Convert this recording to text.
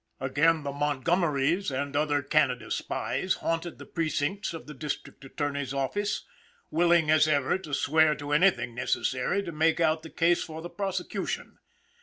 Again the Montgomeries and other Canada spies haunted the precincts of the District Attorney's office, willing as ever to swear to anything necessary to make out the case for the prosecution.